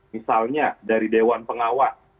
misalnya dari dewan pengawas